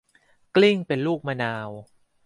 กลิ้งเป็นลูกมะนาว